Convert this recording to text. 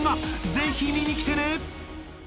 ［ぜひ見に来てね！］